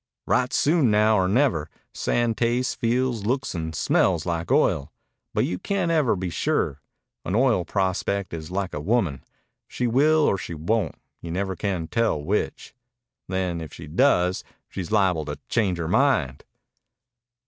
"Right soon now or never. Sand tastes, feels, looks, and smells like oil. But you can't ever be sure. An oil prospect is like a woman. She will or she won't, you never can tell which. Then, if she does, she's liable to change her mind."